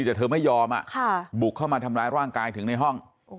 แต่เธอไม่ยอมบุกเข้ามาทำร้ายร่างกายถึงในห้อง